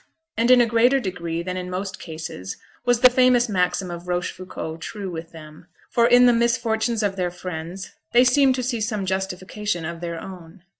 And in a greater degree than in most cases was the famous maxim of Rochefoucault true with them; for in the misfortunes of their friends they seemed to see some justification of their own.